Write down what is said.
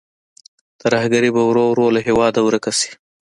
ترهګري به ورو ورو له هېواده ورکه شي.